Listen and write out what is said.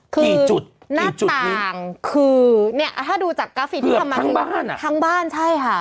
คือหน้าต่างคือถ้าดูจากกราฟิตที่ทำใหม่ทั้งบ้านใช่ค่ะ